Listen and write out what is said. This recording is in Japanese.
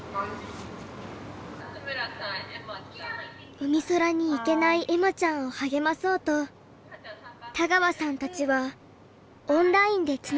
うみそらに行けない恵麻ちゃんを励まそうと田川さんたちはオンラインでつながります。